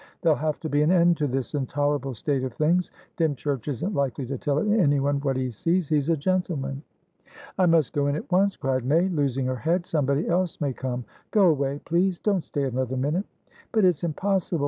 There'll have to be an end to this intolerable state of things. Dymchurch isn't likely to tell anyone what he sees; he's a gentleman." "I must go in at once," cried May, losing her head. "Somebody else may come. Go away, please! Don't stay another minute." "But it's impossible.